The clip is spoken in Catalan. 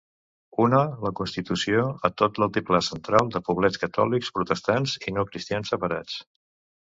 Una, la constitució, a tot l'altiplà central de poblets catòlics, protestants i no-cristians separats.